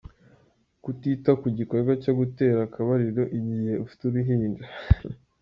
Kutita ku gikorwa cyo gutera akabariro igihe ufite uruhinja.